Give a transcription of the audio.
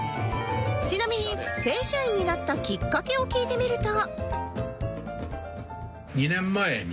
ちなみに正社員になったきっかけを聞いてみると